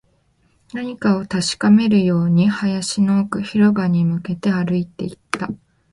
何かを確かめるように、林の奥、広場に向けて歩いていった